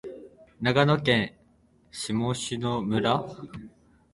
長野県下條村